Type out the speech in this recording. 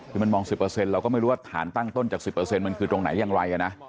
คือมันมอง๑๐เราก็ไม่รู้ว่าฐานตั้งต้นจาก๑๐มันคือตรงไหนอย่างไรนะ